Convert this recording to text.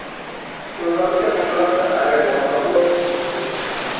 He was also a member of the Allied War Council.